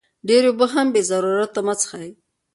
ډېرې اوبه هم بې ضرورته مه څښئ.